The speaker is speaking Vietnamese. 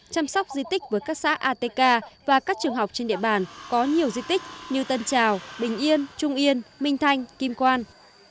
chăm sóc di tích với các xã atk và các trường học trên địa bàn có nhiều di tích như tân trào bình yên trung yên minh thanh kim quan